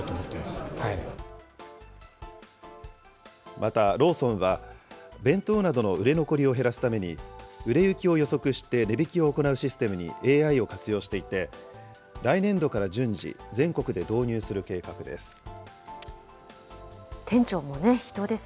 また、ローソンは、弁当などの売れ残りを減らすために、売れ行きを予測して値引きを行うシステムにＡＩを活用していて、来年度から順次、全国で導入する計画です。